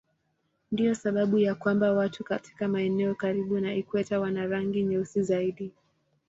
Ndiyo sababu ya kwamba watu katika maeneo karibu na ikweta wana rangi nyeusi zaidi.